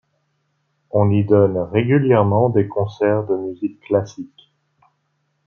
On y donne régulièrement des concerts de musique classique.